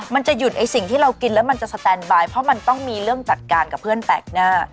มันจะหยุดไอ้สิ่งที่เรากินแล้วมันจะสแตนบายเพราะมันต้องมีเรื่องจัดการกับเพื่อนแปลกหน้า